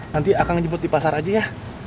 nanti akang ngejebot di pasar aja ya